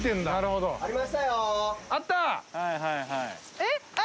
えっ？